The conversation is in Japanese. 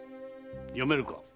読めるか？